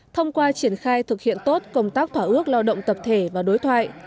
thông qua triển khai thực hiện tốt công tác thỏa ước lao động tập thể và đối thoại